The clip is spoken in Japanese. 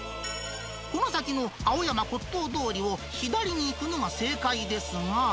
この先の青山骨董通りを左に行くのが正解ですが。